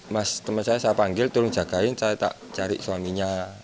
mas teman saya saya panggil tolong jagain saya tak cari suaminya